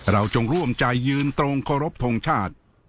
จงร่วมใจยืนตรงเคารพทงชาติ